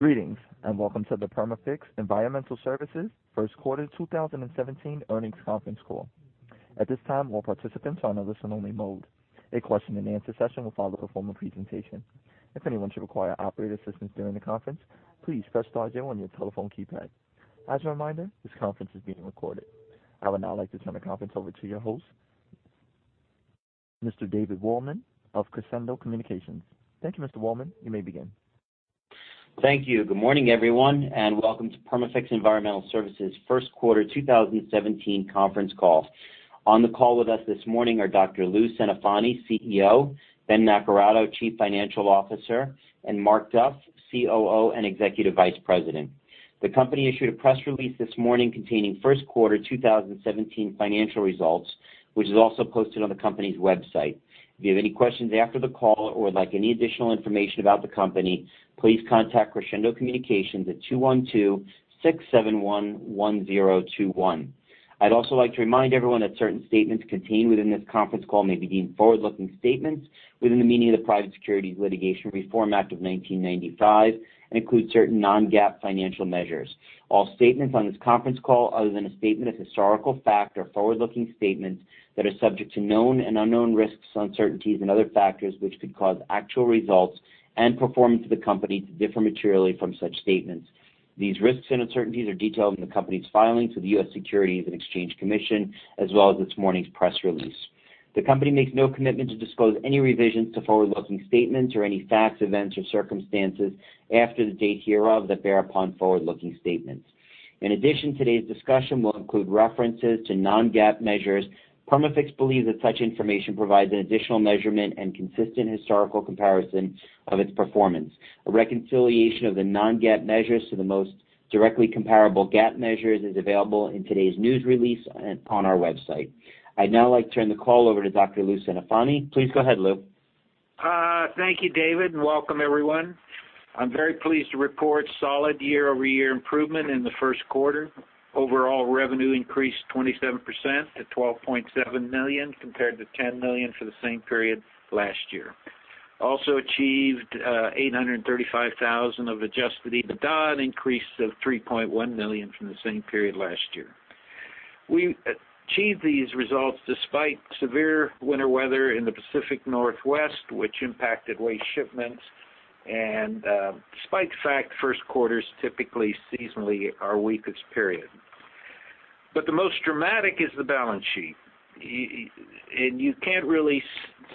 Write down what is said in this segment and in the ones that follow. Greetings, welcome to the Perma-Fix Environmental Services first quarter 2017 earnings conference call. At this time, all participants are in a listen-only mode. A question-and-answer session will follow the formal presentation. If anyone should require operator assistance during the conference, please press star zero on your telephone keypad. As a reminder, this conference is being recorded. I would now like to turn the conference over to your host, Mr. David Waldman of Crescendo Communications. Thank you, Mr. Waldman, you may begin. Thank you. Good morning, everyone, welcome to Perma-Fix Environmental Services' first quarter 2017 conference call. On the call with us this morning are Dr. Lou Centofanti, CEO, Ben Naccarato, Chief Financial Officer, and Mark Duff, COO and Executive Vice President. The company issued a press release this morning containing first quarter 2017 financial results, which is also posted on the company's website. If you have any questions after the call or would like any additional information about the company, please contact Crescendo Communications at 212-671-1021. I'd also like to remind everyone that certain statements contained within this conference call may be deemed forward-looking statements within the meaning of the Private Securities Litigation Reform Act of 1995 and include certain non-GAAP financial measures. All statements on this conference call, other than a statement of historical fact, are forward-looking statements that are subject to known and unknown risks, uncertainties and other factors which could cause actual results and performance of the company to differ materially from such statements. These risks and uncertainties are detailed in the company's filings with the U.S. Securities and Exchange Commission, as well as this morning's press release. The company makes no commitment to disclose any revisions to forward-looking statements or any facts, events, or circumstances after the date hereof that bear upon forward-looking statements. In addition, today's discussion will include references to non-GAAP measures. Perma-Fix believes that such information provides an additional measurement and consistent historical comparison of its performance. A reconciliation of the non-GAAP measures to the most directly comparable GAAP measures is available in today's news release and on our website. I'd now like to turn the call over to Dr. Lou Centofanti. Please go ahead, Lou. Thank you, David, and welcome everyone. I am very pleased to report solid year-over-year improvement in the first quarter. Overall revenue increased 27% to $12.7 million, compared to $10 million for the same period last year. Also achieved $835,000 of adjusted EBITDA, an increase of $3.1 million from the same period last year. We achieved these results despite severe winter weather in the Pacific Northwest, which impacted waste shipments despite the fact first quarters typically, seasonally, are our weakest period. The most dramatic is the balance sheet. You cannot really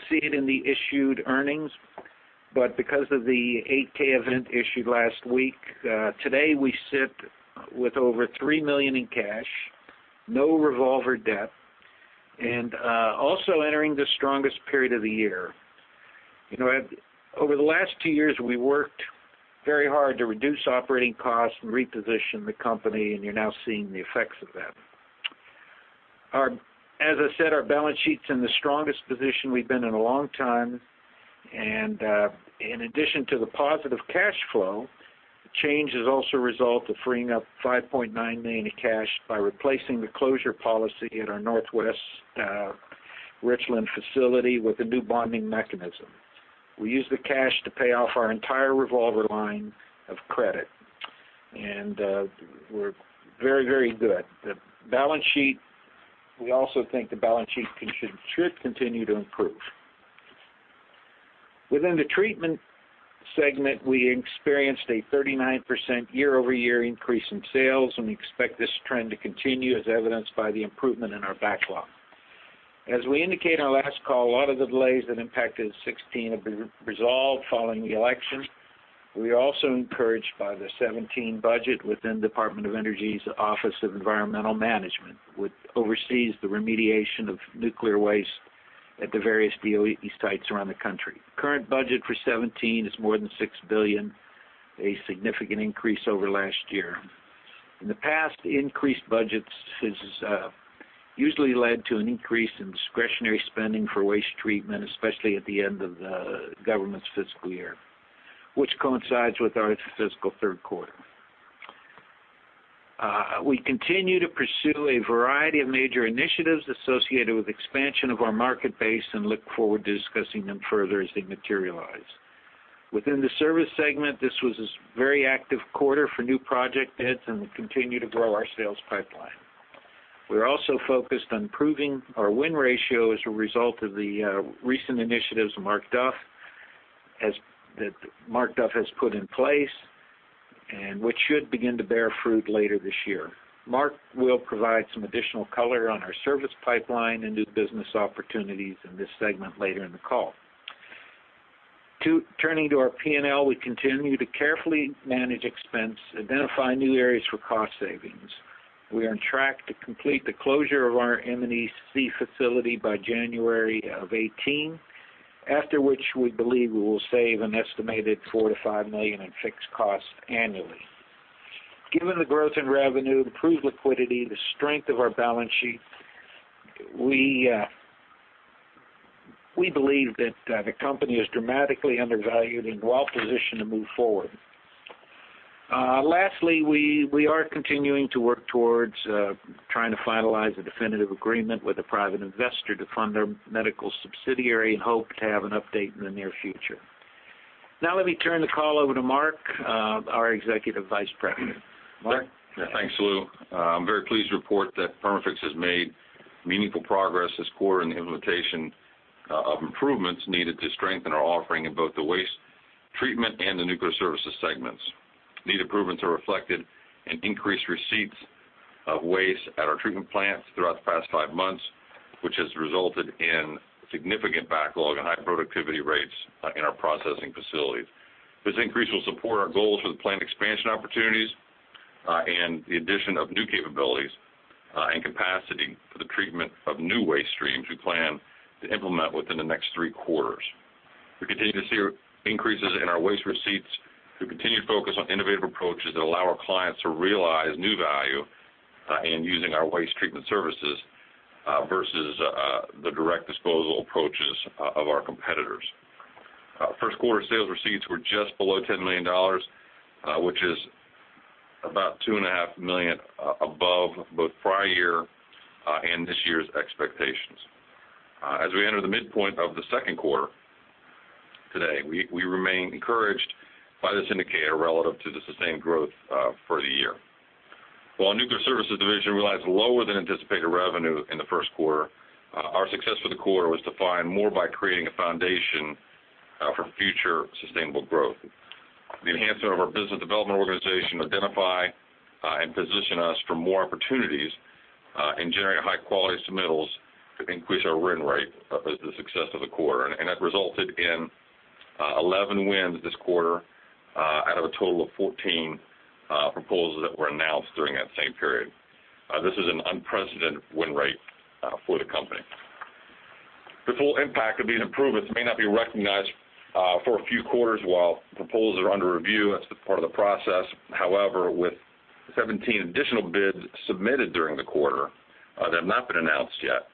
see it in the issued earnings, but because of the 8-K event issued last week, today we sit with over $3 million in cash, no revolver debt, also entering the strongest period of the year. Over the last two years, we worked very hard to reduce operating costs and reposition the company, you are now seeing the effects of that. As I said, our balance sheet is in the strongest position we have been in a long time, in addition to the positive cash flow, the change is also a result of freeing up $5.9 million in cash by replacing the closure policy at our Perma-Fix Northwest Richland facility with a new bonding mechanism. We used the cash to pay off our entire revolver line of credit, we are very good. We also think the balance sheet should continue to improve. Within the treatment segment, we experienced a 39% year-over-year increase in sales, we expect this trend to continue as evidenced by the improvement in our backlog. As we indicated on our last call, a lot of the delays that impacted 2016 have been resolved following the election. We are also encouraged by the 2017 budget within Department of Energy's Office of Environmental Management, which oversees the remediation of nuclear waste at the various DOE sites around the country. Current budget for 2017 is more than $6 billion, a significant increase over last year. In the past, increased budgets has usually led to an increase in discretionary spending for waste treatment, especially at the end of the government's fiscal year, which coincides with our fiscal third quarter. We continue to pursue a variety of major initiatives associated with expansion of our market base and look forward to discussing them further as they materialize. Within the service segment, this was a very active quarter for new project bids and we continue to grow our sales pipeline. We are also focused on improving our win ratio as a result of the recent initiatives that Mark Duff has put in place, which should begin to bear fruit later this year. Mark will provide some additional color on our service pipeline and new business opportunities in this segment later in the call. Turning to our P&L, we continue to carefully manage expense, identify new areas for cost savings. We are on track to complete the closure of our M&EC facility by January of 2018, after which we believe we will save an estimated $4 million-$5 million in fixed costs annually. Given the growth in revenue, improved liquidity, the strength of our balance sheet, we believe that the company is dramatically undervalued and well positioned to move forward. We are continuing to work towards trying to finalize a definitive agreement with a private investor to fund our medical subsidiary and hope to have an update in the near future. Let me turn the call over to Mark, our Executive Vice President. Mark? Thanks, Lou. I'm very pleased to report that Perma-Fix has made meaningful progress this quarter in the implementation of improvements needed to strengthen our offering in both the waste treatment and the nuclear services segments. These improvements are reflected in increased receipts of waste at our treatment plants throughout the past five months, which has resulted in significant backlog and high productivity rates in our processing facilities. This increase will support our goals for the planned expansion opportunities and the addition of new capabilities and capacity for the treatment of new waste streams we plan to implement within the next three quarters. We continue to see increases in our waste receipts through continued focus on innovative approaches that allow our clients to realize new value in using our waste treatment services versus the direct disposal approaches of our competitors. First quarter sales receipts were just below $10 million, which is about two and a half million above both prior year and this year's expectations. As we enter the midpoint of the second quarter today, we remain encouraged by this indicator relative to the sustained growth for the year. While our nuclear services division realized lower than anticipated revenue in the first quarter, our success for the quarter was defined more by creating a foundation for future sustainable growth. The enhancement of our business development organization identify and position us for more opportunities and generate high-quality submittals to increase our win rate as the success of the quarter, and that resulted in 11 wins this quarter out of a total of 14 proposals that were announced during that same period. This is an unprecedented win rate for the company. The full impact of these improvements may not be recognized for a few quarters while proposals are under review. That's the part of the process. With 17 additional bids submitted during the quarter that have not been announced yet,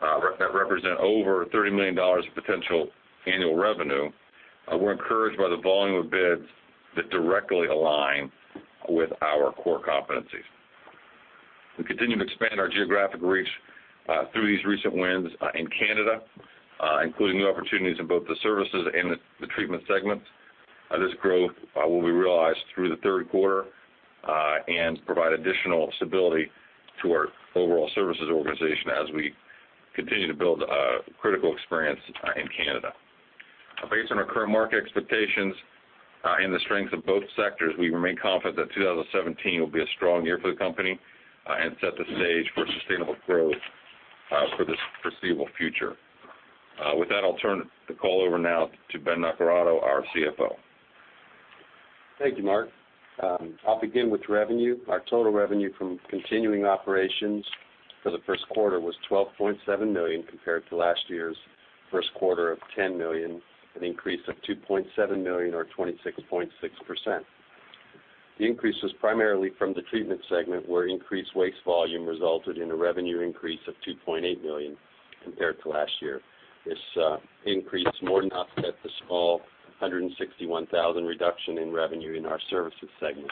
that represent over $30 million of potential annual revenue, we're encouraged by the volume of bids that directly align with our core competencies. We continue to expand our geographic reach through these recent wins in Canada, including new opportunities in both the services and the treatment segments. This growth will be realized through the third quarter, and provide additional stability to our overall services organization as we continue to build critical experience in Canada. Based on our current market expectations and the strength of both sectors, we remain confident that 2017 will be a strong year for the company and set the stage for sustainable growth for the foreseeable future. With that, I'll turn the call over now to Ben Naccarato, our CFO. Thank you, Mark. I'll begin with revenue. Our total revenue from continuing operations for the first quarter was $12.7 million compared to last year's first quarter of $10 million, an increase of $2.7 million or 26.6%. The increase was primarily from the treatment segment, where increased waste volume resulted in a revenue increase of $2.8 million compared to last year. This increase more than offset the small $161,000 reduction in revenue in our services segment.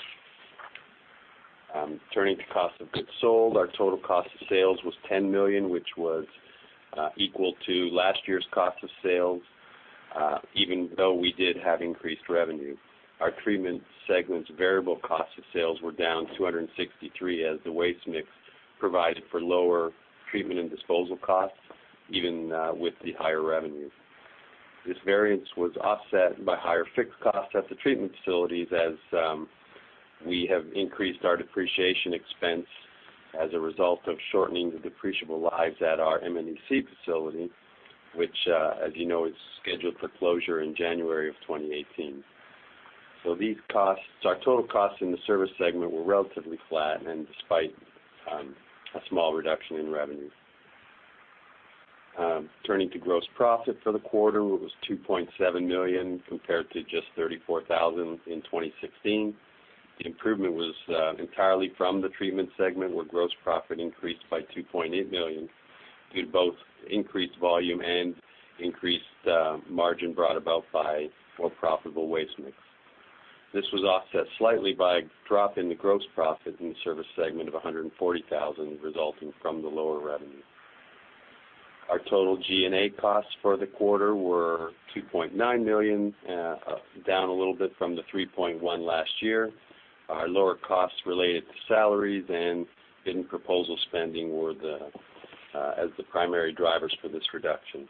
Turning to cost of goods sold, our total cost of sales was $10 million, which was equal to last year's cost of sales even though we did have increased revenue. Our treatment segment's variable cost of sales were down $263,000 as the waste mix provided for lower treatment and disposal costs even with the higher revenue. This variance was offset by higher fixed costs at the treatment facilities as we have increased our depreciation expense as a result of shortening the depreciable lives at our M&EC facility, which as you know, is scheduled for closure in January of 2018. Our total costs in the service segment were relatively flat despite a small reduction in revenue. Turning to gross profit for the quarter, it was $2.7 million compared to just $34,000 in 2016. The improvement was entirely from the treatment segment, where gross profit increased by $2.8 million due to both increased volume and increased margin brought about by more profitable waste mix. This was offset slightly by a drop in the gross profit in the service segment of $140,000 resulting from the lower revenue. Our total G&A costs for the quarter were $2.9 million, down a little bit from the $3.1 million last year. Our lower costs related to salaries and bidding proposal spending were as the primary drivers for this reduction.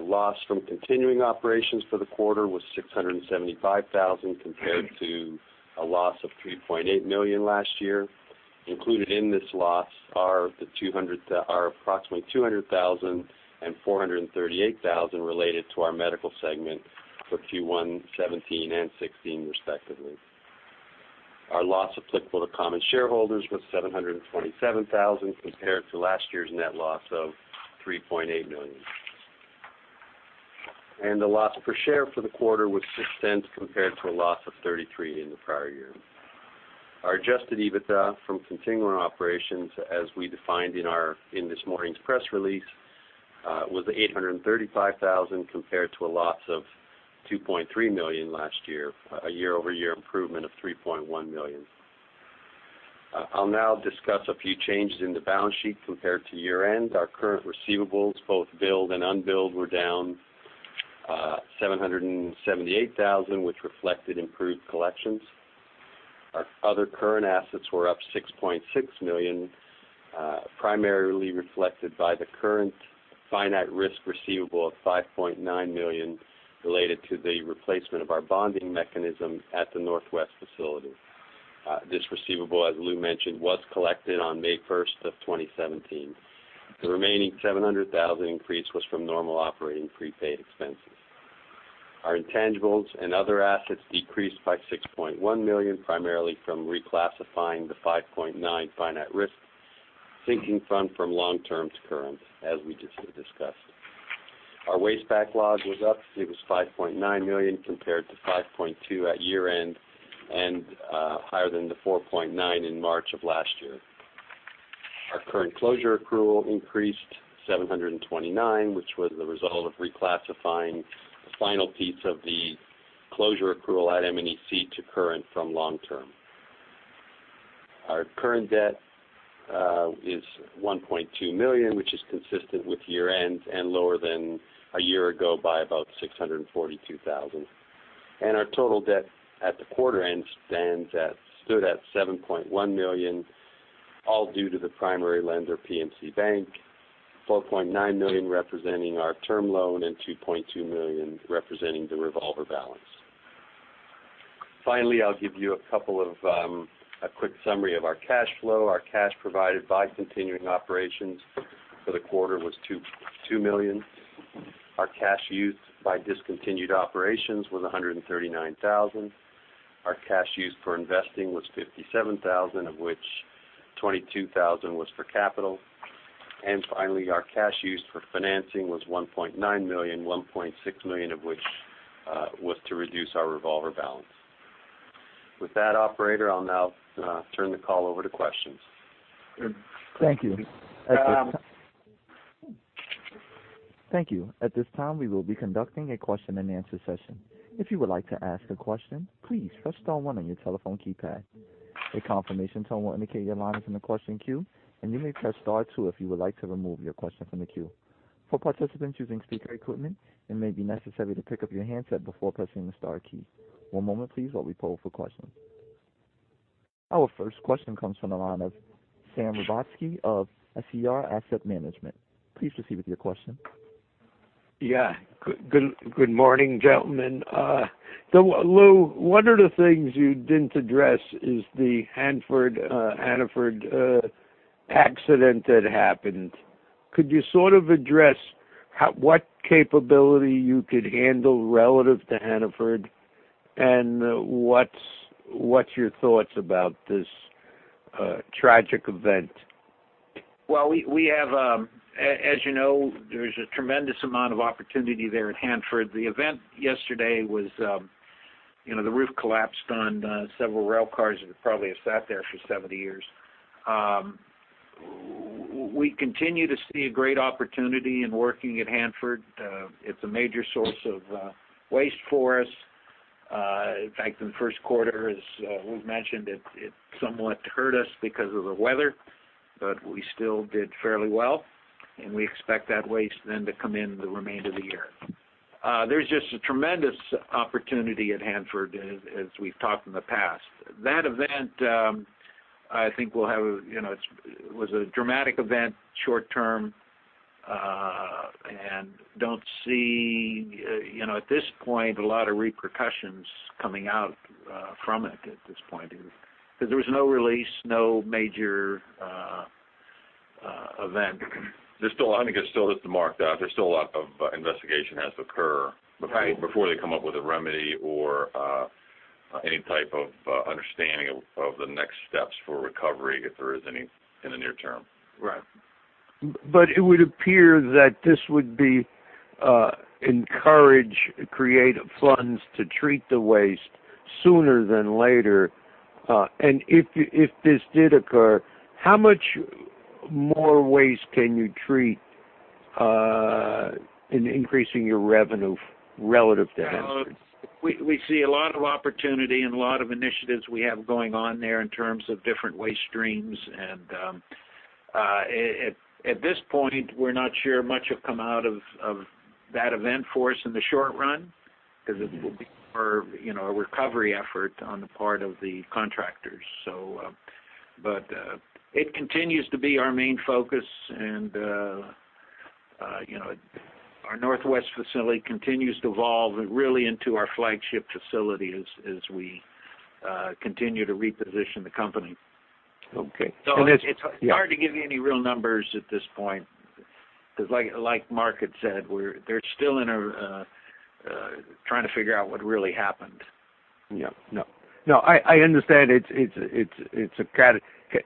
Loss from continuing operations for the quarter was $675,000 compared to a loss of $3.8 million last year. Included in this loss are approximately $200,000 and $438,000 related to our medical segment for Q1 2017 and 2016 respectively. Our loss applicable to common shareholders was $727,000 compared to last year's net loss of $3.8 million. The loss per share for the quarter was $0.06 compared to a loss of $0.33 in the prior year. Our adjusted EBITDA from continuing operations, as we defined in this morning's press release, was $835,000 compared to a loss of $2.3 million last year, a year-over-year improvement of $3.1 million. I'll now discuss a few changes in the balance sheet compared to year-end. Our current receivables, both billed and unbilled, were down $778,000, which reflected improved collections. Our other current assets were up $6.6 million, primarily reflected by the current finite risk receivable of $5.9 million related to the replacement of our bonding mechanism at the Northwest facility. This receivable, as Lou mentioned, was collected on May 1st of 2017. The remaining $700,000 increase was from normal operating prepaid expenses. Our intangibles and other assets decreased by $6.1 million, primarily from reclassifying the $5.9 million finite risk sinking fund from long-term to current, as we just discussed. Our waste backlog was up. It was $5.9 million compared to $5.2 million at year-end, and higher than the $4.9 million in March of last year. Our current closure accrual increased $729,000, which was the result of reclassifying the final piece of the closure accrual at M&EC to current from long-term. Our current debt is $1.2 million, which is consistent with year-end, and lower than a year ago by about $642,000. Our total debt at the quarter end stood at $7.1 million, all due to the primary lender, PNC Bank, $4.9 million representing our term loan and $2.2 million representing the revolver balance. Finally, I'll give you a quick summary of our cash flow. Our cash provided by continuing operations for the quarter was $2 million. Our cash used by discontinued operations was $139,000. Our cash used for investing was $57,000, of which $22,000 was for capital. Finally, our cash used for financing was $1.9 million, $1.6 million of which was to reduce our revolver balance. With that, operator, I'll now turn the call over to questions. Thank you. At this time, we will be conducting a question and answer session. If you would like to ask a question, please press star one on your telephone keypad. A confirmation tone will indicate your line is in the question queue, and you may press star two if you would like to remove your question from the queue. For participants using speaker equipment, it may be necessary to pick up your handset before pressing the star key. One moment please while we poll for questions. Our first question comes from the line of Sam Rebotsky of SER Asset Management. Please proceed with your question. Good morning, gentlemen. Lou, one of the things you didn't address is the Hanford accident that happened. Could you sort of address what capability you could handle relative to Hanford, and what's your thoughts about this tragic event? Well, as you know, there's a tremendous amount of opportunity there at Hanford. The event yesterday was the roof collapsed on several rail cars that probably have sat there for 70 years. We continue to see a great opportunity in working at Hanford. It's a major source of waste for us. In fact, in the first quarter, as we've mentioned, it somewhat hurt us because of the weather, but we still did fairly well, and we expect that waste then to come in the remainder of the year. There's just a tremendous opportunity at Hanford, as we've talked in the past. That event, I think it was a dramatic event short-term. Don't see at this point a lot of repercussions coming out from it at this point. There was no release, no major event. I think it's still, as to Mark, that there's still a lot of investigation has to occur. Right before they come up with a remedy or any type of understanding of the next steps for recovery, if there is any in the near term. Right. It would appear that this would be encourage, create funds to treat the waste sooner than later. If this did occur, how much more waste can you treat in increasing your revenue relative to Hanford? We see a lot of opportunity and a lot of initiatives we have going on there in terms of different waste streams. At this point, we're not sure much will come out of that event for us in the short run, because it will be more a recovery effort on the part of the contractors. It continues to be our main focus and our Northwest facility continues to evolve really into our flagship facility as we continue to reposition the company. Okay. It's hard to give you any real numbers at this point, because like Mark had said, they're still trying to figure out what really happened. Yeah. No, I understand.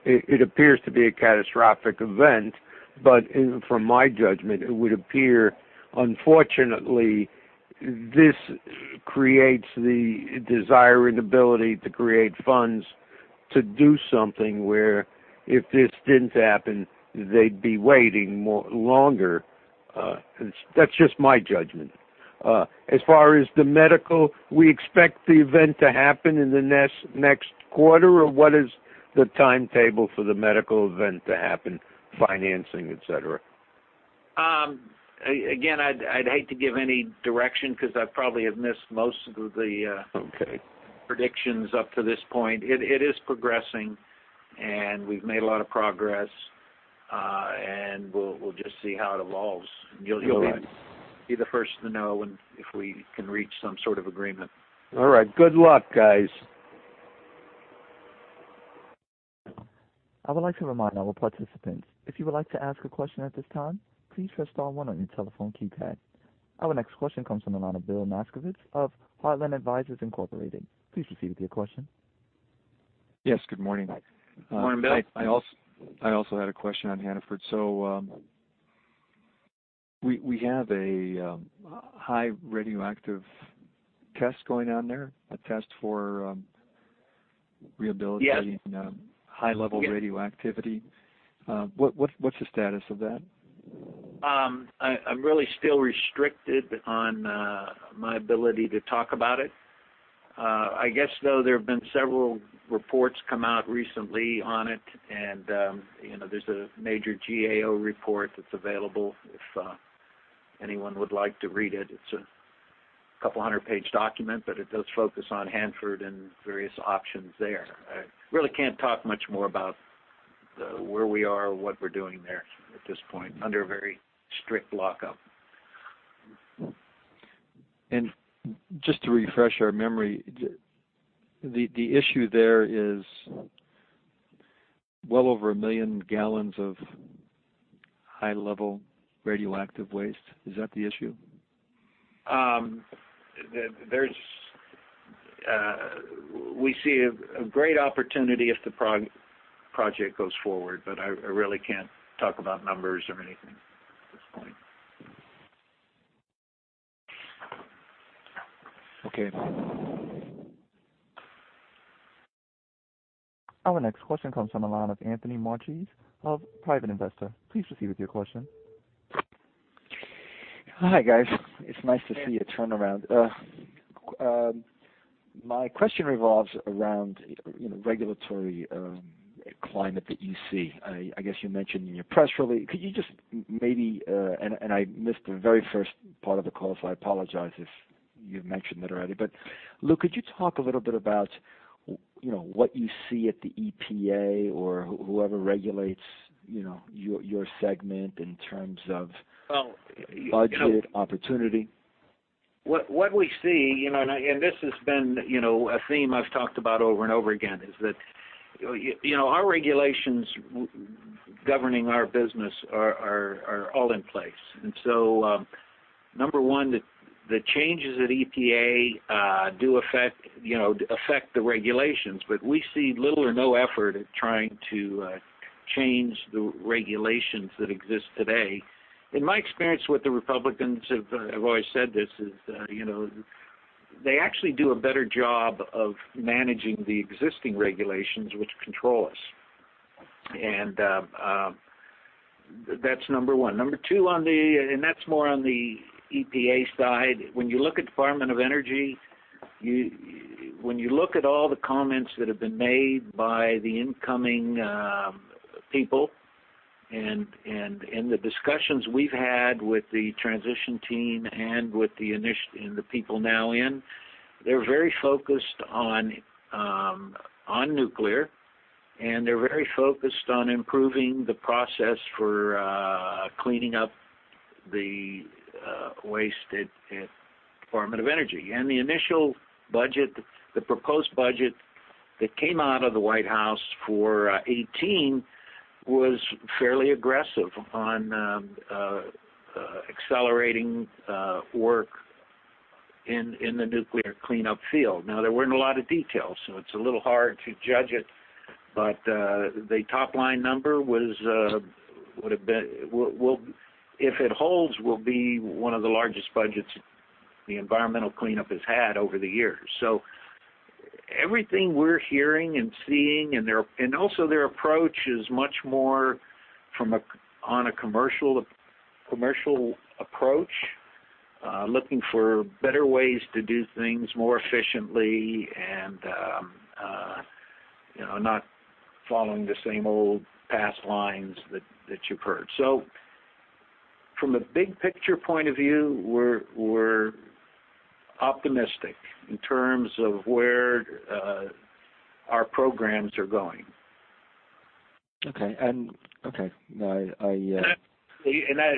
It appears to be a catastrophic event, from my judgment, it would appear unfortunately, this creates the desire and ability to create funds to do something where if this didn't happen, they'd be waiting longer. That's just my judgment. As far as the medical, we expect the event to happen in the next quarter, or what is the timetable for the medical event to happen, financing, et cetera? Again, I'd hate to give any direction. Okay predictions up to this point. It is progressing, and we've made a lot of progress. We'll just see how it evolves. All right. You'll be the first to know if we can reach some sort of agreement. All right. Good luck, guys. I would like to remind our participants, if you would like to ask a question at this time, please press star one on your telephone keypad. Our next question comes from the line of Bill Nasgovitz of Heartland Advisors, Inc. Please proceed with your question. Yes, good morning. Good morning, Bill. I also had a question on Hanford. We have a high radioactive test going on there. Yes High-level radioactivity. What's the status of that? I'm really still restricted on my ability to talk about it. I guess, though, there have been several reports come out recently on it. There's a major GAO report that's available if anyone would like to read it. It's a couple hundred-page document, but it does focus on Hanford and various options there. I really can't talk much more about where we are or what we're doing there at this point, under a very strict lockup. Just to refresh our memory, the issue there is well over 1 million gallons of high-level radioactive waste. Is that the issue? We see a great opportunity if the project goes forward, I really can't talk about numbers or anything at this point. Okay. Our next question comes from the line of Anthony Marchese, of Private Investor. Please proceed with your question. Hi, guys. It's nice to see a turnaround. My question revolves around regulatory climate that you see. I guess you mentioned in your press release. Could you just maybe, and I missed the very first part of the call, so I apologize if you've mentioned it already. Lou, could you talk a little bit about what you see at the EPA or whoever regulates your segment in terms of budget opportunity? What we see, and this has been a theme I've talked about over and over again, is that our regulations governing our business are all in place. So, number one, the changes at EPA do affect the regulations, but we see little or no effort at trying to change the regulations that exist today. In my experience with the Republicans, I've always said this, is they actually do a better job of managing the existing regulations which control us. That's number one. Number two, that's more on the EPA side. When you look at Department of Energy, when you look at all the comments that have been made by the incoming people, and the discussions we've had with the transition team and with the people now in, they're very focused on nuclear, and they're very focused on improving the process for cleaning up the waste at Department of Energy. The initial budget, the proposed budget that came out of the White House for 2018, was fairly aggressive on accelerating work in the nuclear cleanup field. Now, there weren't a lot of details, so it's a little hard to judge it. The top-line number, if it holds, will be one of the largest budgets the environmental cleanup has had over the years. Everything we're hearing and seeing, and also their approach is much more on a commercial approach, looking for better ways to do things more efficiently and not following the same old past lines that you've heard. From a big picture point of view, we're optimistic in terms of where our programs are going. Okay.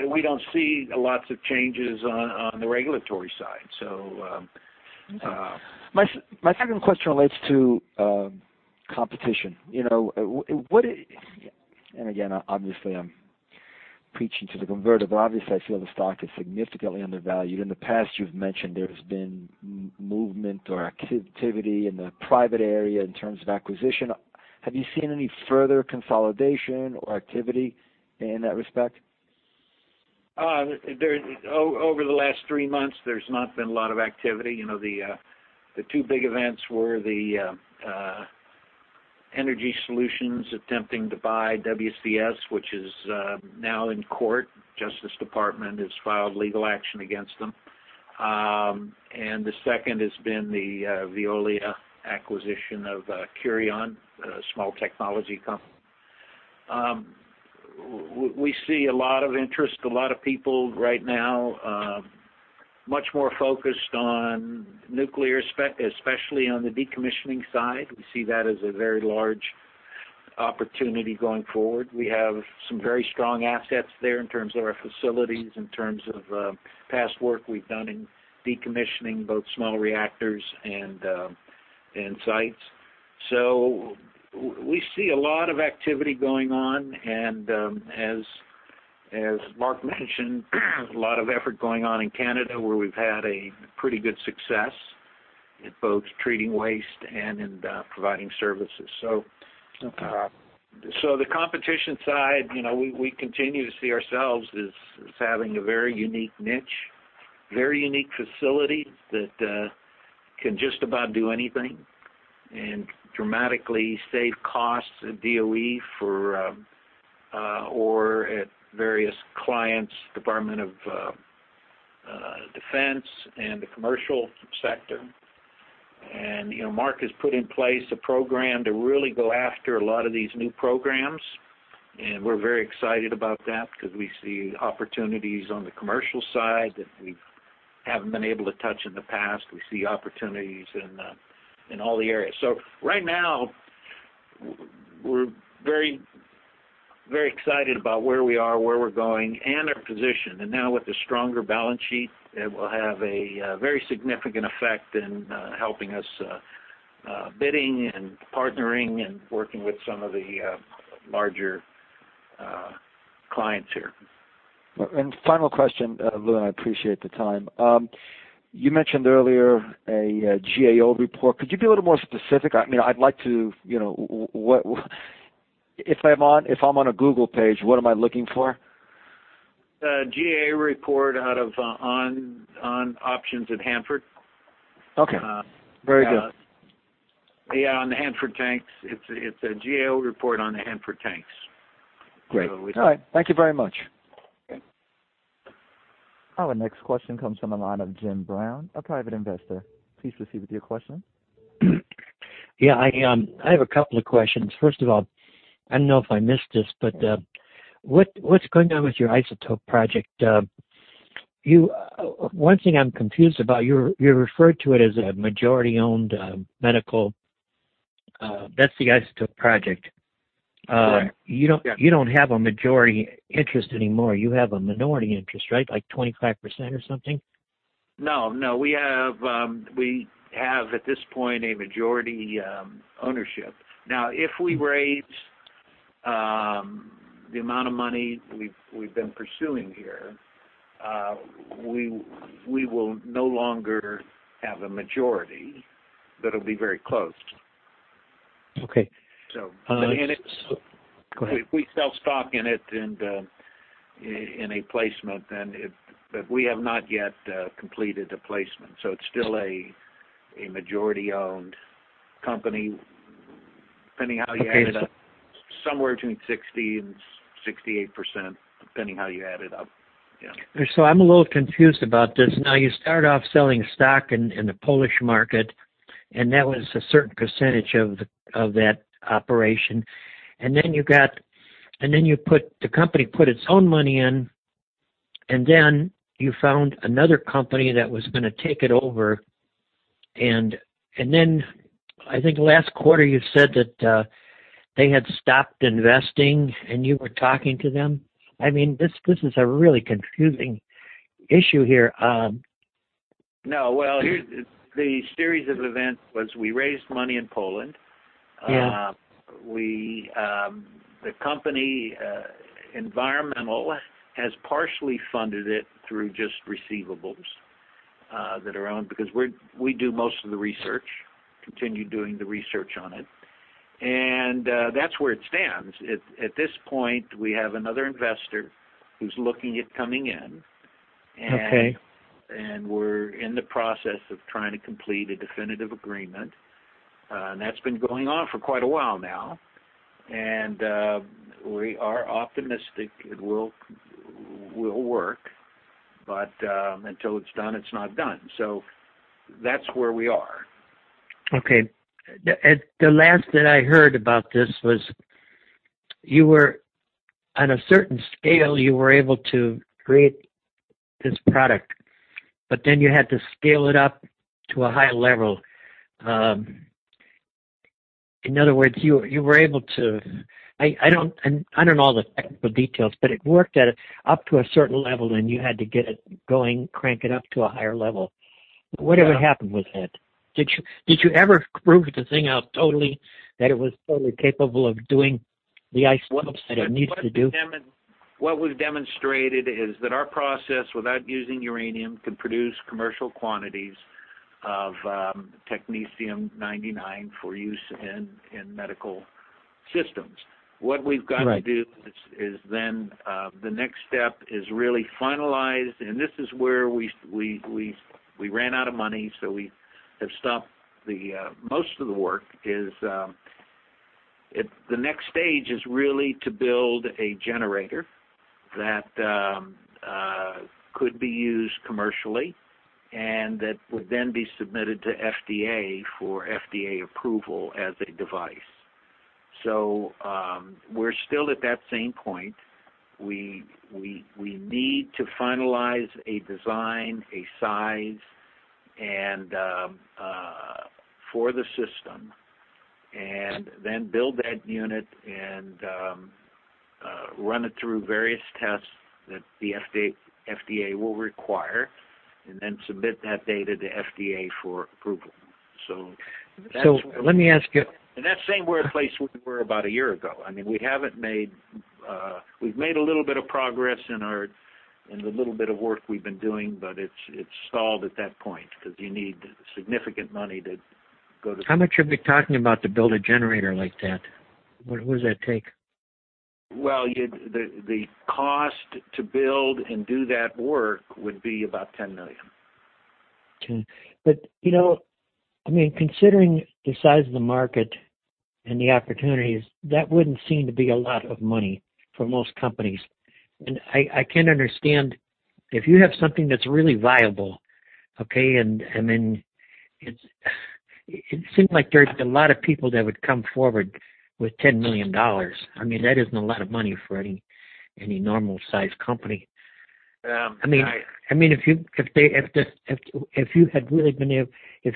We don't see lots of changes on the regulatory side. My second question relates to competition. Again, obviously, I'm preaching to the converted, but obviously, I feel the stock is significantly undervalued. In the past, you've mentioned there's been movement or activity in the private area in terms of acquisition. Have you seen any further consolidation or activity in that respect? Over the last three months, there's not been a lot of activity. The two big events were the EnergySolutions attempting to buy WCS, which is now in court. Justice Department has filed legal action against them. The second has been the Veolia acquisition of Kurion, a small technology company. We see a lot of interest, a lot of people right now, much more focused on nuclear, especially on the decommissioning side. We see that as a very large opportunity going forward. We have some very strong assets there in terms of our facilities, in terms of past work we've done in decommissioning, both small reactors and sites. We see a lot of activity going on, and as Mark mentioned, a lot of effort going on in Canada, where we've had a pretty good success in both treating waste and in providing services. The competition side, we continue to see ourselves as having a very unique niche, very unique facility that can just about do anything and dramatically save costs at DOE or at various clients, Department of Defense and the commercial sector. Mark has put in place a program to really go after a lot of these new programs, and we're very excited about that because we see opportunities on the commercial side that we haven't been able to touch in the past. We see opportunities in all the areas. Right now, we're very excited about where we are, where we're going, and our position. Now with a stronger balance sheet, it will have a very significant effect in helping us bidding and partnering and working with some of the larger clients here. Final question, Lou, and I appreciate the time. You mentioned earlier a GAO report. Could you be a little more specific? If I'm on a Google page, what am I looking for? The GAO report on options at Hanford. Okay. Very good. On the Hanford tanks. It's a GAO report on the Hanford tanks. Great. All right. Thank you very much. Our next question comes from the line of Jim Brown, a private investor. Please proceed with your question. I have a couple of questions. First of all, I don't know if I missed this, but what's going on with your isotope project? One thing I'm confused about, you referred to it as a majority-owned medical. That's the isotope project. Correct. Yeah. You don't have a majority interest anymore. You have a minority interest, right? Like 25% or something? No. We have, at this point, a majority ownership. If we raise the amount of money we've been pursuing here, we will no longer have a majority, but it'll be very close. Okay. So- Go ahead. We have not yet completed a placement, so it's still a majority-owned company, depending how you add it up, somewhere between 60% and 68%, depending how you add it up. Yeah. I'm a little confused about this. You started off selling stock in the Polish market, and that was a certain percentage of that operation. The company put its own money in, and then you found another company that was going to take it over, and then I think last quarter you said that they had stopped investing, and you were talking to them. This is a really confusing issue here. No. Well, the series of events was we raised money in Poland. Yeah. The company, Environmental, has partially funded it through just receivables that are owned, because we do most of the research, continue doing the research on it. That's where it stands. At this point, we have another investor who's looking at coming in. Okay. We're in the process of trying to complete a definitive agreement. That's been going on for quite a while now. We are optimistic it will work, but until it's done, it's not done. That's where we are. Okay. The last that I heard about this was you were on a certain scale, you were able to create this product, but then you had to scale it up to a higher level. In other words, you were able to I don't know all the technical details, but it worked up to a certain level, and you had to get it going, crank it up to a higher level. Whatever happened with that? Did you ever prove the thing out totally, that it was totally capable of doing the isotopes that it needs to do? What we've demonstrated is that our process, without using uranium, can produce commercial quantities of technetium-99 for use in medical systems. What we've got to do. Right is then the next step is really finalized, and this is where we ran out of money, so we have stopped most of the work. The next stage is really to build a generator that could be used commercially and that would then be submitted to FDA for FDA approval as a device. We're still at that same point. We need to finalize a design, a size for the system, and then build that unit and run it through various tests that the FDA will require, and then submit that data to FDA for approval. That's. Let me ask you? That same place we were about a year ago. We've made a little bit of progress in the little bit of work we've been doing, but it stalled at that point because you need significant money to go to. How much are we talking about to build a generator like that? What does that take? Well, the cost to build and do that work would be about $10 million. Considering the size of the market and the opportunities, that wouldn't seem to be a lot of money for most companies. I can understand if you have something that's really viable, okay, it seems like there's a lot of people that would come forward with $10 million. That isn't a lot of money for any normal-sized company. Yeah. If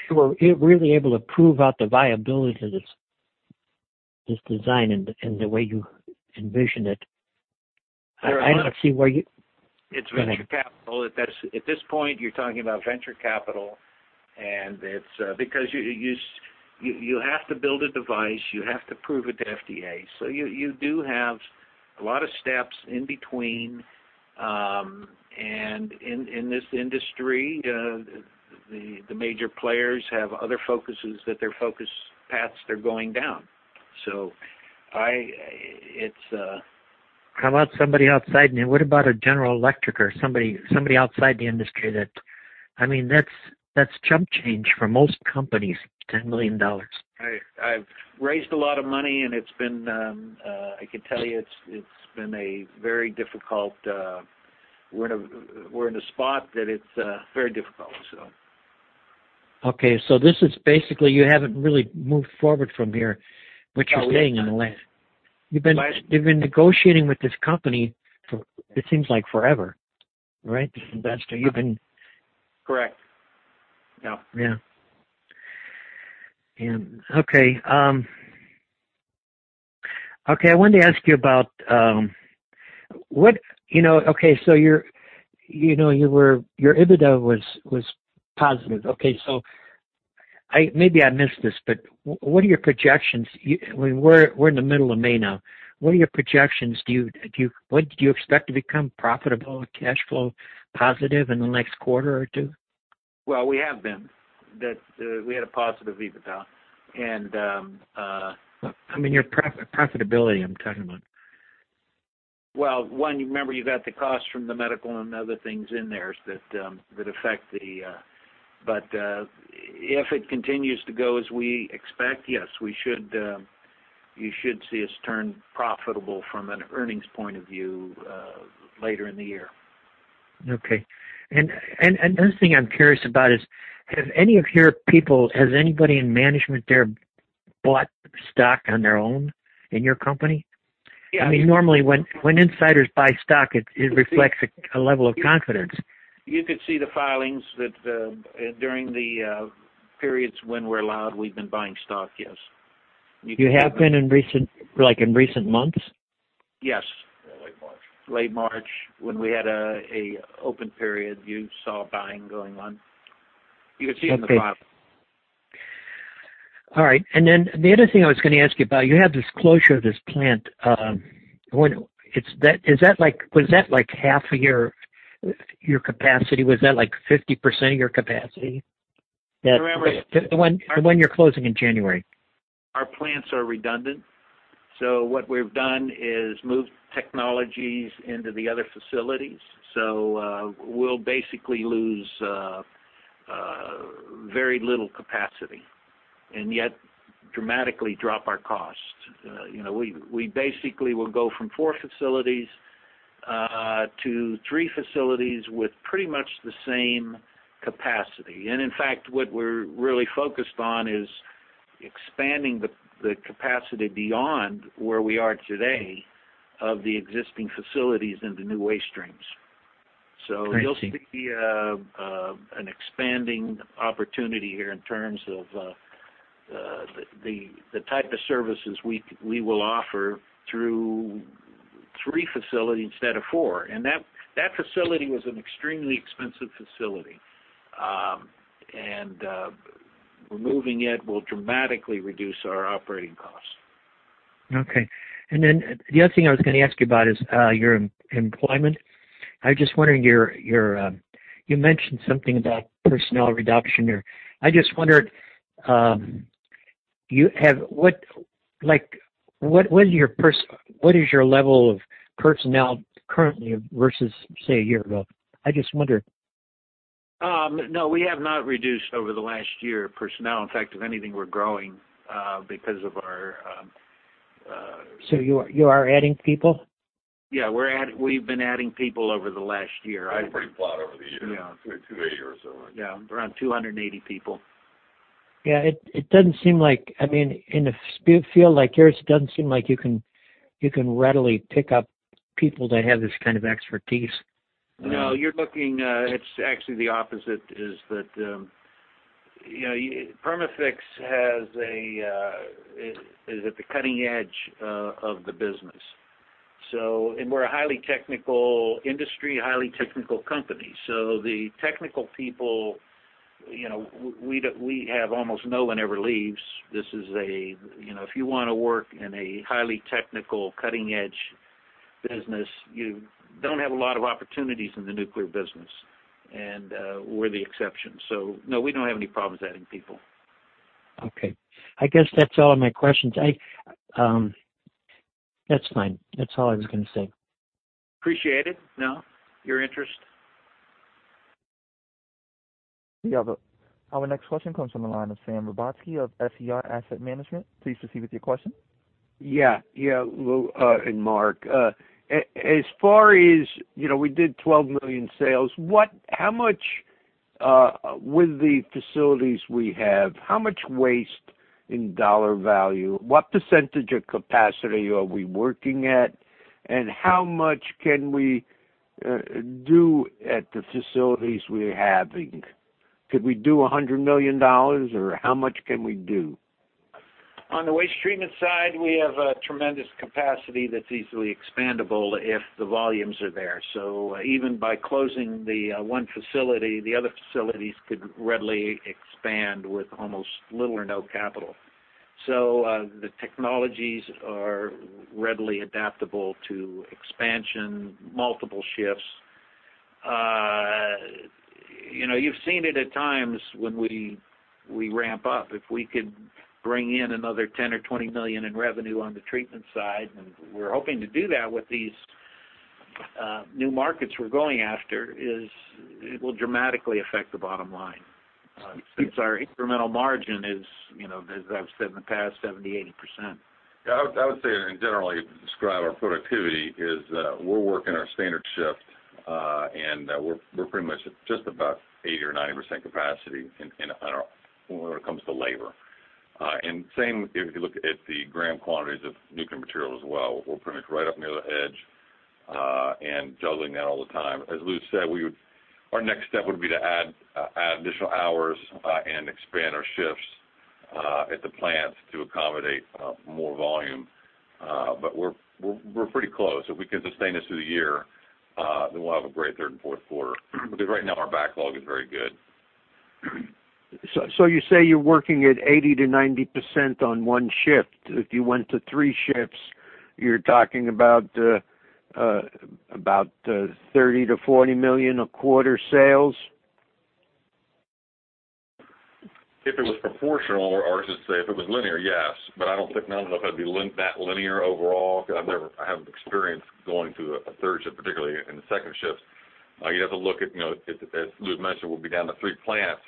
you were really able to prove out the viability to this design in the way you envisioned it, I don't see why you- It's venture capital. At this point, you're talking about venture capital, it's because you have to build a device, you have to prove it to FDA. You do have a lot of steps in between, in this industry, the major players have other focuses that their focus paths they're going down. How about somebody outside? What about a General Electric or somebody outside the industry? That's chump change for most companies, $10 million. I've raised a lot of money, I can tell you, We're in a spot that it's very difficult. Okay. This is basically you haven't really moved forward from here? Oh, we have You're staying in the land. You've been negotiating with this company for, it seems like forever, right? Correct. Yeah. Yeah. Okay. I wanted to ask you about, okay, your EBITDA was positive. Okay, maybe I missed this, but what are your projections? We're in the middle of May now. What are your projections? Do you expect to become profitable or cash flow positive in the next quarter or two? Well, we have been. We had a positive EBITDA. Your profitability, I'm talking about. Well, one, remember, you've got the cost from the medical and other things in there. If it continues to go as we expect, yes, you should see us turn profitable from an earnings point of view later in the year. Okay. Another thing I'm curious about is, have any of your people, has anybody in management there bought stock on their own in your company? Yeah. Normally, when insiders buy stock, it reflects a level of confidence. You could see the filings that during the periods when we're allowed, we've been buying stock, yes. You have been in recent months? Yes. Late March. Late March, when we had an open period, you saw buying going on. You could see it in the filing. All right. The other thing I was going to ask you about, you had this closure of this plant. Was that like half of your capacity? Was that like 50% of your capacity? Remember- The one you're closing in January. Our plants are redundant. What we've done is moved technologies into the other facilities. We'll basically lose very little capacity and yet dramatically drop our costs. We basically will go from four facilities to three facilities with pretty much the same capacity. In fact, what we're really focused on is expanding the capacity beyond where we are today of the existing facilities into new waste streams. I see. You'll see an expanding opportunity here in terms of the type of services we will offer through three facilities instead of four. That facility was an extremely expensive facility. Removing it will dramatically reduce our operating costs. Okay. The other thing I was going to ask you about is your employment. I was just wondering, You mentioned something about personnel reduction there. I just wondered, what is your level of personnel currently versus, say, a year ago? I just wondered. No, we have not reduced over the last year, personnel. In fact, if anything, we're growing. You are adding people? Yeah, we've been adding people over the last year. We've pretty flat over the year. Yeah. 280 or so. Yeah. Around 280 people. Yeah. In a field like yours, it doesn't seem like you can readily pick up people that have this kind of expertise. No. It's actually the opposite, is that Perma-Fix is at the cutting edge of the business. We're a highly technical industry, highly technical company. The technical people, almost no one ever leaves. If you want to work in a highly technical, cutting edge business, you don't have a lot of opportunities in the nuclear business. We're the exception. No, we don't have any problems adding people. Okay. I guess that's all of my questions. That's fine. That's all I was going to say. Appreciate it. No, your interest. We have our next question comes from the line of Sam Rubatsky of SER Asset Management. Please proceed with your question. Yeah. Lou, and Mark, as far as we did $12 million sales, with the facilities we have, how much waste in dollar value, what percentage of capacity are we working at, and how much can we do at the facilities we're having? Could we do $100 million, or how much can we do? On the waste treatment side, we have a tremendous capacity that's easily expandable if the volumes are there. Even by closing the one facility, the other facilities could readily expand with almost little or no capital. The technologies are readily adaptable to expansion, multiple shifts. You've seen it at times when we ramp up. If we could bring in another $10 million or $20 million in revenue on the treatment side, and we're hoping to do that with these new markets we're going after, is it will dramatically affect the bottom line, since our incremental margin is, as I've said in the past, 70%-80%. Yeah. I would say, and generally describe our productivity, is we're working our standard shift, and we're pretty much at just about 80% or 90% capacity when it comes to labor. Same if you look at the gram quantities of nuclear material as well. We're pretty much right up near the edge, and juggling that all the time. As Lou said, our next step would be to add additional hours, and expand our shifts, at the plants to accommodate more volume. We're pretty close. If we can sustain this through the year, then we'll have a great third and fourth quarter, because right now our backlog is very good. You say you're working at 80%-90% on one shift. If you went to three shifts, you're talking about $30 million-$40 million a quarter sales? If it was proportional, or I should say if it was linear, yes. I don't know if it'd be that linear overall because I haven't experienced going to a third shift, particularly in the second shifts. You'd have to look at, as Lou mentioned, we'll be down to three plants.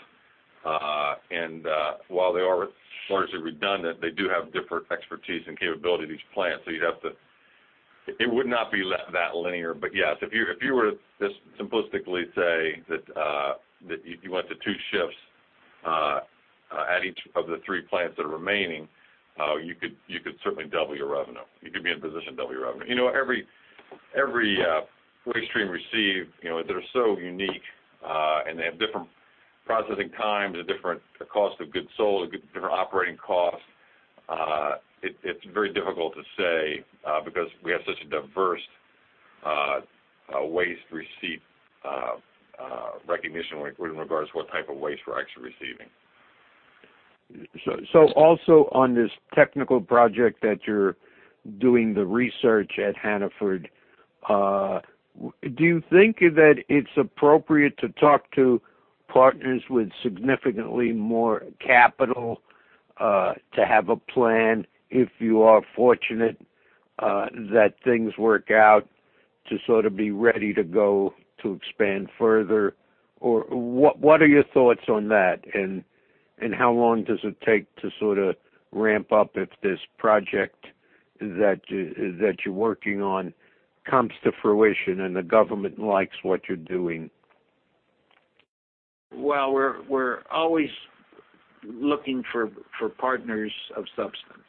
While they are largely redundant, they do have different expertise and capability at each plant. It would not be that linear. Yes, if you were to just simplistically say that you went to two shifts, at each of the three plants that are remaining, you could certainly double your revenue. You could be in a position to double your revenue. Every waste stream received, they're so unique, and they have different processing times and different cost of goods sold, different operating costs. It's very difficult to say, because we have such a diverse waste receipt recognition with regards to what type of waste we're actually receiving. Also on this technical project that you're doing the research at Hanford, do you think that it's appropriate to talk to partners with significantly more capital, to have a plan if you are fortunate that things work out to sort of be ready to go to expand further? What are your thoughts on that, and how long does it take to sort of ramp up if this project that you're working on comes to fruition and the government likes what you're doing? Well, we're always looking for partners of substance.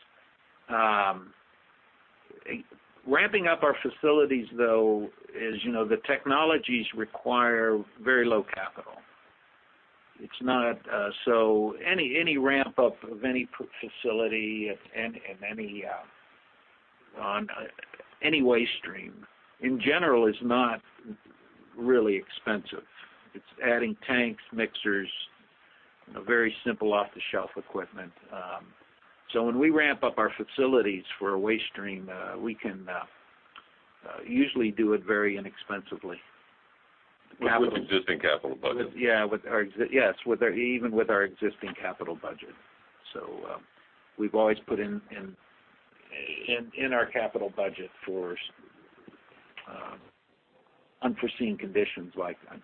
Ramping up our facilities, though, is the technologies require very low capital. Any ramp up of any facility and any waste stream in general is not really expensive. It's adding tanks, mixers. Very simple off-the-shelf equipment. When we ramp up our facilities for a waste stream, we can usually do it very inexpensively. With an existing capital budget. Yes, even with our existing capital budget. We've always put in our capital budget for unforeseen conditions like that.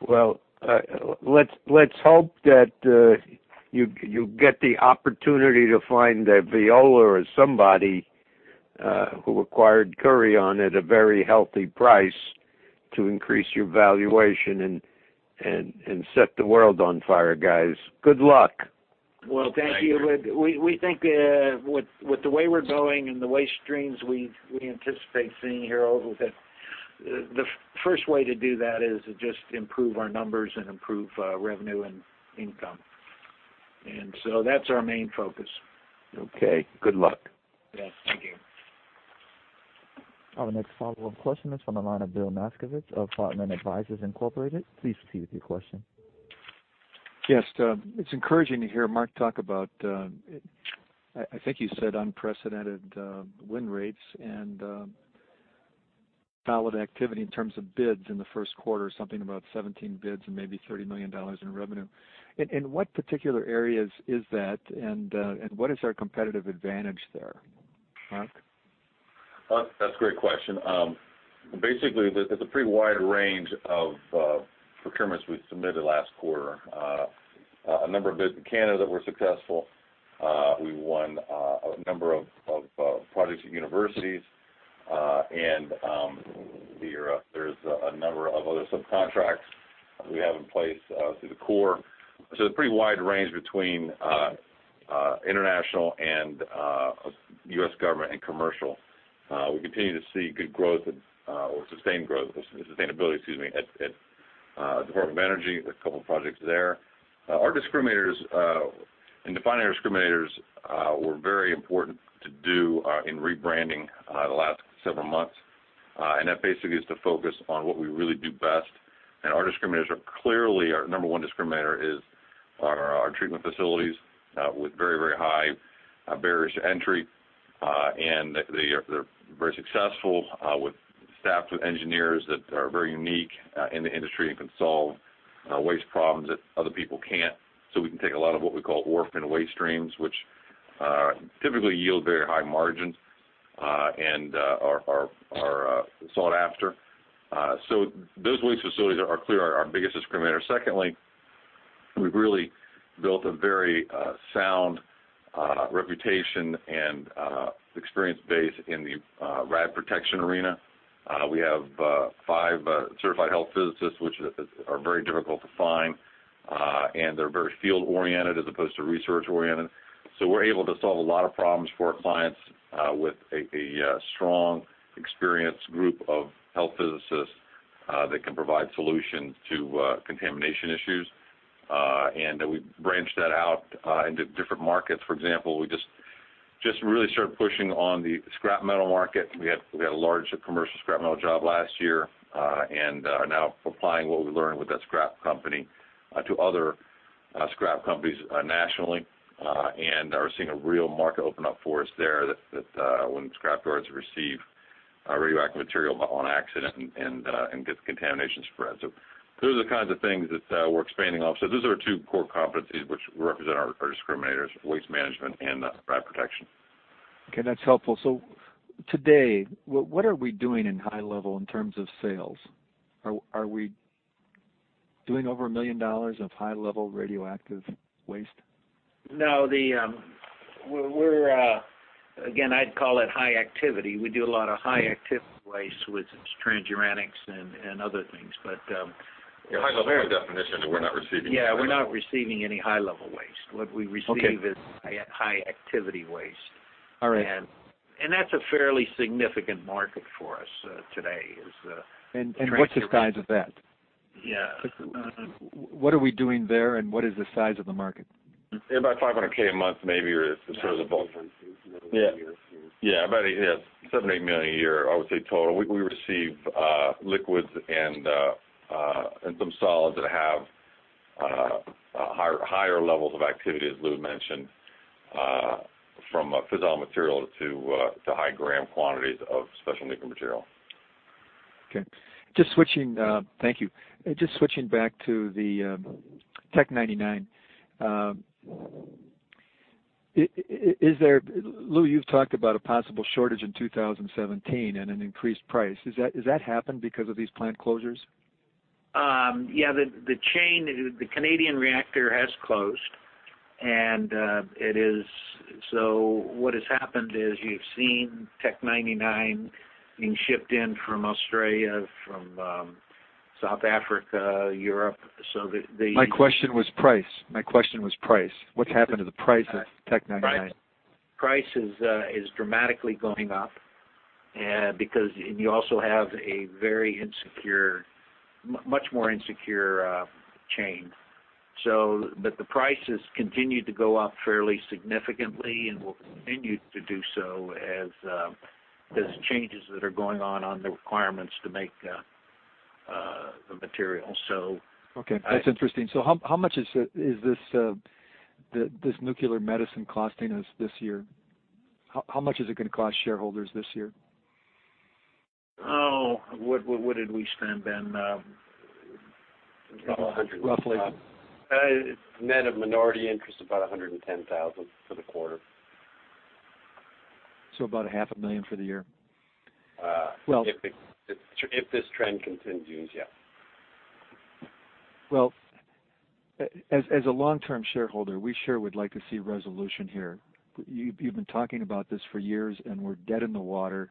Well, let's hope that you get the opportunity to find a Veolia or somebody who acquired Kurion at a very healthy price to increase your valuation and set the world on fire, guys. Good luck. Well, thank you. We think with the way we're going and the waste streams we anticipate seeing here, the first way to do that is to just improve our numbers and improve revenue and income. That's our main focus. Okay. Good luck. Yes. Thank you. Our next follow-up question is from the line of Bill Maskovich of Heartland Advisors Incorporated. Please proceed with your question. Yes. It's encouraging to hear Mark talk about, I think you said unprecedented win rates and solid activity in terms of bids in the first quarter, something about 17 bids and maybe $30 million in revenue. In what particular areas is that, and what is our competitive advantage there, Mark? That's a great question. Basically, there's a pretty wide range of procurements we submitted last quarter. A number of bids in Canada that were successful. We won a number of projects at universities. There's a number of other subcontracts we have in place through the Corps. There's a pretty wide range between international and U.S. government and commercial. We continue to see good growth or sustained growth, sustainability, excuse me, at Department of Energy, with a couple of projects there. Our discriminators and defining our discriminators were very important to do in rebranding the last several months. That basically is to focus on what we really do best. Our discriminators are clearly, our number 1 discriminator is our treatment facilities with very high barriers to entry. They're very successful with staff, with engineers that are very unique in the industry and can solve waste problems that other people can't. We can take a lot of what we call orphan waste streams, which typically yield very high margins and are sought after. Those waste facilities are clear, our biggest discriminator. Secondly, we've really built a very sound reputation and experience base in the rad protection arena. We have five certified health physicists, which are very difficult to find. They're very field-oriented as opposed to research-oriented. We're able to solve a lot of problems for our clients with a strong, experienced group of health physicists that can provide solutions to contamination issues. We've branched that out into different markets. For example, we just really started pushing on the scrap metal market. We had a large commercial scrap metal job last year and are now applying what we learned with that scrap company to other scrap companies nationally and are seeing a real market open up for us there that when scrap yards receive radioactive material on accident and get contamination spread. Those are the kinds of things that we're expanding off. Those are our two core competencies, which represent our discriminators, waste management, and rad protection. Okay, that's helpful. Today, what are we doing in high level in terms of sales? Are we doing over $1 million of high-level radioactive waste? No. Again, I'd call it high activity. We do a lot of high activity waste, with transuranics and other things. High level, by definition, we're not receiving. Yeah, we're not receiving any high-level waste. What we receive. Okay is high activity waste. All right. That's a fairly significant market for us today. What's the size of that? Yeah. What are we doing there, and what is the size of the market? About $500,000 a month, maybe, in terms of both. Yeah. Yeah. About $7 million-$8 million a year, I would say, total. We receive liquids and some solids that have higher levels of activity, as Lou mentioned, from fissile material to high gram quantities of special nuclear material. Okay. Thank you. Just switching back to the Tc-99m. Lou, you've talked about a possible shortage in 2017 and an increased price. Has that happened because of these plant closures? Yeah. The Canadian reactor has closed. What has happened is you've seen Tc-99m being shipped in from Australia, from South Africa, Europe. My question was price. What's happened to the price of Tc-99m? Price is dramatically going up because you also have a much more insecure chain. The price has continued to go up fairly significantly and will continue to do so as there's changes that are going on the requirements to make the material. Okay. That's interesting. How much is this nuclear medicine costing us this year? How much is it going to cost shareholders this year? Oh, what did we spend, Ben? About $100. Roughly. Net of minority interest, about $110,000 for the quarter. About half a million dollars for the year. If this trend continues, yes. Well, as a long-term shareholder, we sure would like to see resolution here. You've been talking about this for years, and we're dead in the water, and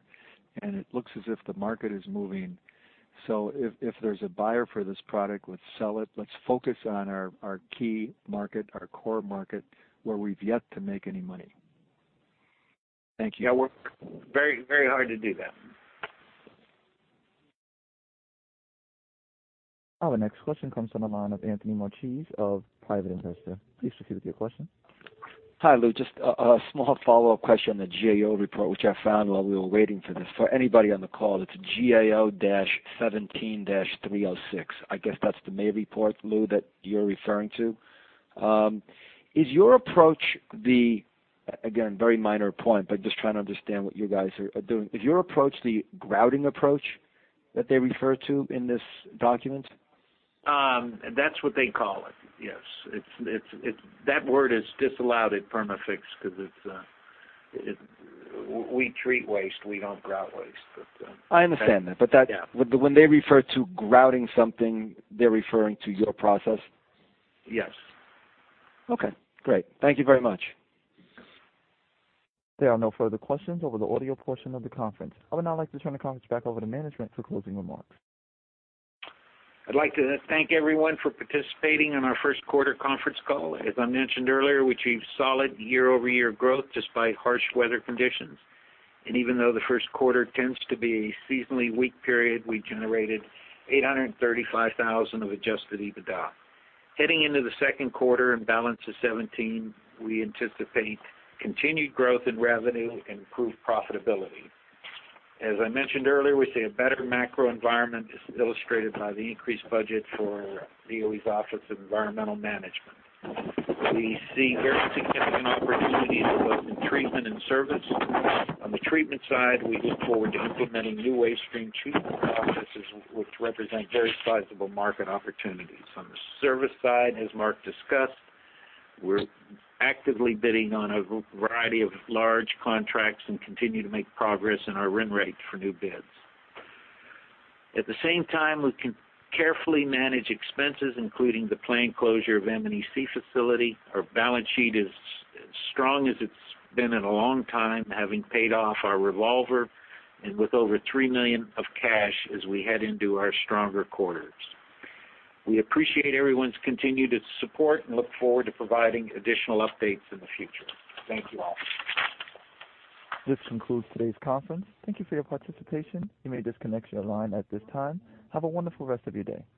it looks as if the market is moving. If there's a buyer for this product, let's sell it. Let's focus on our key market, our core market, where we've yet to make any money. Thank you. Yeah, we'll work very hard to do that. Our next question comes from the line of Anthony Marchese of Private Investor. Please proceed with your question. Hi, Lou. Just a small follow-up question on the GAO report, which I found while we were waiting for this. For anybody on the call, it's GAO-17-306. I guess that's the May report, Lou, that you're referring to. Is your approach the, again, very minor point, but just trying to understand what you guys are doing. Is your approach the grouting approach that they refer to in this document? That's what they call it. Yes. That word is disallowed at Perma-Fix because we treat waste, we don't grout waste. I understand that. Yeah. When they refer to grouting something, they're referring to your process? Yes. Okay, great. Thank you very much. There are no further questions over the audio portion of the conference. I would now like to turn the conference back over to management for closing remarks. I'd like to thank everyone for participating in our first quarter conference call. As I mentioned earlier, we achieved solid year-over-year growth despite harsh weather conditions. Even though the first quarter tends to be a seasonally weak period, we generated $835,000 of adjusted EBITDA. Heading into the second quarter and balance of 2017, we anticipate continued growth in revenue and improved profitability. As I mentioned earlier, we see a better macro environment as illustrated by the increased budget for DOE's Office of Environmental Management. We see very significant opportunities in both treatment and service. On the treatment side, we look forward to implementing new waste stream treatment processes, which represent very sizable market opportunities. On the service side, as Mark discussed, we're actively bidding on a variety of large contracts and continue to make progress in our win rate for new bids. At the same time, we can carefully manage expenses, including the planned closure of M&EC facility. Our balance sheet is as strong as it's been in a long time, having paid off our revolver and with over $3 million of cash as we head into our stronger quarters. We appreciate everyone's continued support and look forward to providing additional updates in the future. Thank you all. This concludes today's conference. Thank you for your participation. You may disconnect your line at this time. Have a wonderful rest of your day.